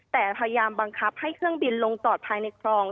แต่พยายามบังคับให้เครื่องบินลงจอดภายในคลอง